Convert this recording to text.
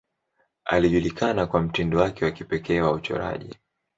Alijulikana kwa mtindo wake wa kipekee wa uchoraji.